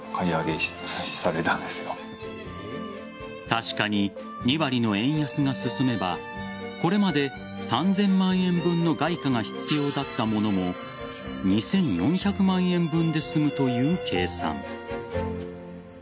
確かに、２割の円安が進めばこれまで３０００万円分の外貨が必要だったものも２４００万円分で済むという計算。